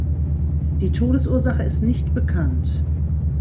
Die Todesursache ist nicht bekannt.